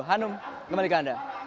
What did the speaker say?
hanum kembali ke anda